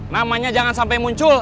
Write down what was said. namanya jangan sampai muncul